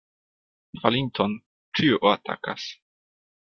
Falinton ĉiu atakas.